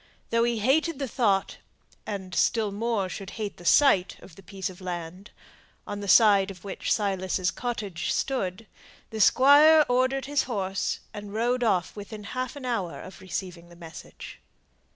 Though he hated the thought, and still more, should hate the sight of the piece of land, on the side of which Silas's cottage stood, the Squire ordered his horse, and rode off within half an hour of receiving the message.